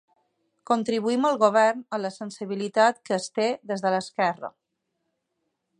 Contribuïm al govern amb la sensibilitat que es té des de l'esquerra.